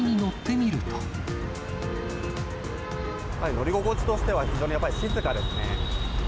乗り心地としては、非常にやっぱり静かですね。